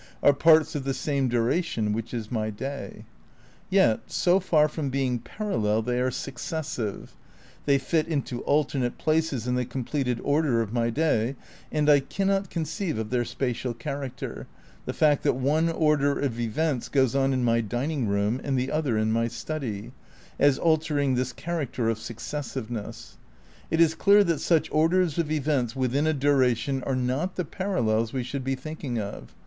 are "parts of tlie same dura tion '' which is my day ; yet so far from being parallel they are successive ; they fit into alternate places in the completed order of my day; and I cannot conceive of their spatial character, the fact that one order of events goes on in my dining room and the other in my study, as altering this character of successiveness. It is clear that such orders of events withia a duration are not the parallels we should be thinking of.